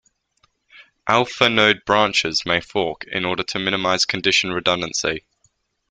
Alpha node branches may fork in order to minimise condition redundancy.